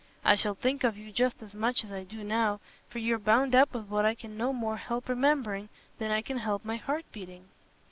I shall think of you just as much as I do now, for you're bound up with what I can no more help remembering than I can help my heart beating."